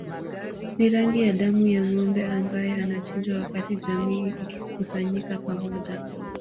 Ni rangi ya damu ya ngombe ambae anachinjwa wakati jamii ikikusanyika pamoja